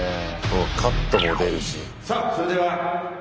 カットも出るし。